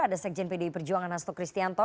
ada sekjen pdi perjuangan hasto kristianto